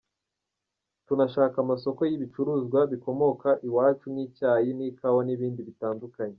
Tunashaka amasoko y’ibicuruzwa bikomoka iwacu nk’icyayi n’ikawa n’ibindi bitandukanye.